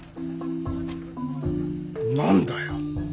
何だよ。